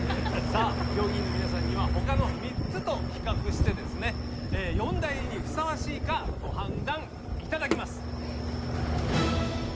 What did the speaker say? さあ評議員の皆さんにはほかの３つと比較してですね四大入りにふさわしいかご判断頂きます。